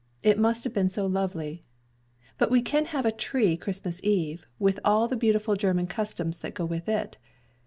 It must have been so lovely. But we can have a tree Christmas eve, with all the beautiful German customs that go with it.